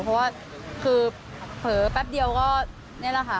เพราะว่าคือเผลอแป๊บเดียวก็นี่แหละค่ะ